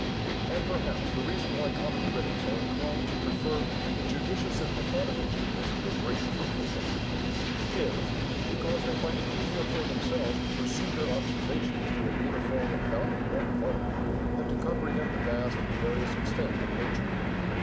And, perhaps, the reason why common critics are inclined to prefer a judicious and methodical genius to a great and fruitful one, is, because they find it easier for themselves to pursue their observations through a uniform and bounded walk of art, than to comprehend the vast and various extent of nature.